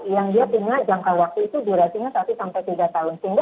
yang dia punya jangka waktu itu durasinya satu sampai tiga tahun